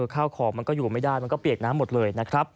ข้าวข่อก็อยู่ไม่ได้มันก็เปียกน้ำหมดเลย